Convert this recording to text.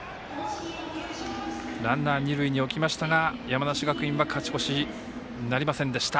ランナー、二塁に置きましたが山梨学院は勝ち越しなりませんでした。